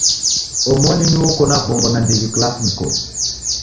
Omoni nio uko na w'ongo nandighi kilasinyi kodu.